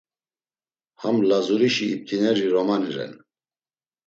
Ham Lazurişi iptineri romani ren.